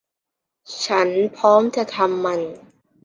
ฉันพร้อมจะทำมัน